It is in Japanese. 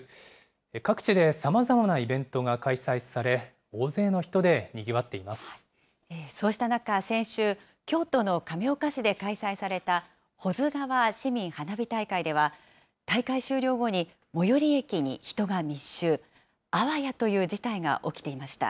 各地でさまざまなイベントが開催さそうした中、先週、京都の亀岡市で開催された保津川市民花火大会では、大会終了後に、最寄り駅に人が密集、あわやという事態が起きていました。